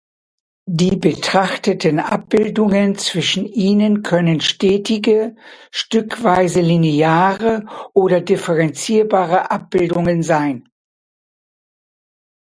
Die betrachteten Abbildungen zwischen ihnen können stetige, stückweise lineare oder differenzierbare Abbildungen sein.